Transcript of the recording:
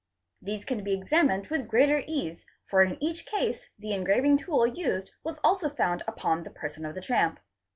These can be examined with greater ease, for in each case the engraving tool used was also found upon the person of the tramp.